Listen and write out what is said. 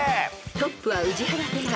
［トップは宇治原ペア］